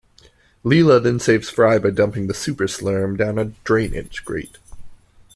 Leela then saves Fry by dumping the super-slurm down a drainage grate.